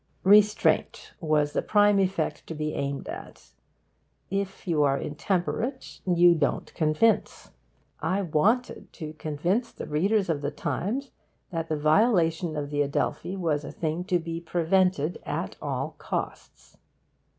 Restraint was the prime effect to be aimed at. If you are intemperate, you don't convince. I wanted to convince the readers of The Times that the violation of the Adelphi was a thing to be prevented at all costs.